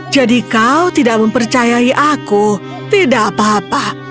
jadi kau tidak mempercayai aku tidak apa apa